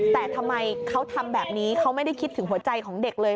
แต่ทำไมเขาทำแบบนี้เขาไม่ได้คิดถึงหัวใจของเด็กเลย